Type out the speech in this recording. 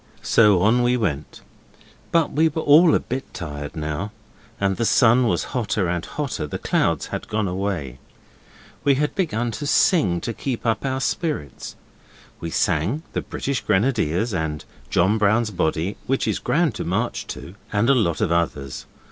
So on we went but we were all a bit tired now and the sun was hotter and hotter; the clouds had gone away. We had to begin to sing to keep up our spirits. We sang 'The British Grenadiers' and 'John Brown's Body', which is grand to march to, and a lot of others.